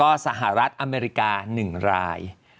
ก็สหรัฐอเมริกา๑ราย